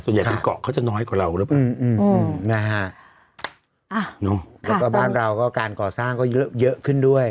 ส่วนใหญ่เป็นเกาะเขาจะน้อยกว่าเราอืมอืมอืมนะฮะอ่ะน้องแล้วก็บ้านเราก็การก่อสร้างก็เยอะขึ้นด้วย